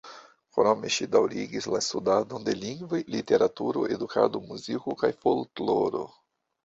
Krome ŝi daŭrigis la studadon de lingvoj, literaturo, edukado, muziko kaj folkloro.